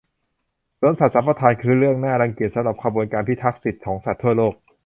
สวนสัตว์สัมปทานคือเรื่องน่ารังเกียจสำหรับขบวนการพิทักษ์สิทธิของสัตว์ทั่วโลก